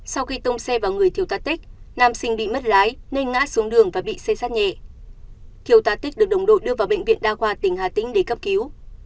sau khi tông xe vào người thiêu tá tích nam sinh bị mất lái nên ngã xuống đường và bị xây sát nhẹ thiêu tá tích được đồng đội đưa vào bệnh viện đa khoa tỉnh hà tĩnh để cấp cứu